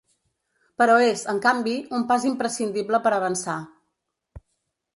Però és, en canvi, un pas imprescindible per avançar.